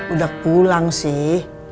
udah pulang sih